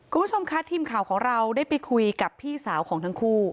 คุณผู้ชมค่ะทีมข่าวของเราได้ไปคุยกับพี่สาวของทั้งคู่